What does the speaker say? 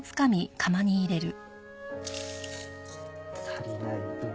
足りない分。